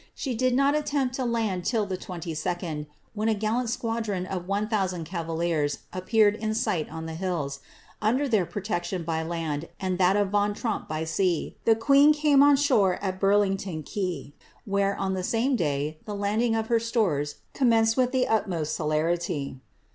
She did not attempt to land till the 22d, when a gallant squadron of one thoosand cavaliers appeared in sight on the hills; under their protection by land, and that of Van Tromp by sea, the queen came on shore at Burlington quay, where, on the same day, the landing of her stores commenced with the utmost celerity.